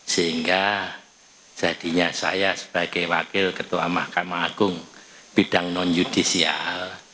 sehingga jadinya saya sebagai wakil ketua mahkamah agung bidang non judisial